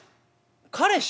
「彼氏？